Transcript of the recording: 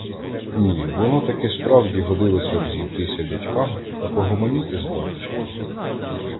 Ні, воно таки справді годилося б зійтися дядькам та погомоніти з батюшкою.